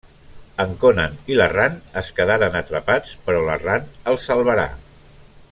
En Conan i la Ran es quedaran atrapats, però la Ran el salvarà.